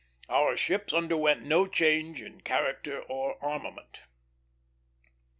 Our ships underwent no change in character or armament.